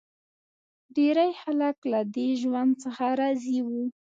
ډېری خلک له دې ژوند څخه راضي و.